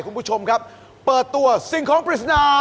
คุณผู้ชมครับเปิดตัวสิ่งของปริศนา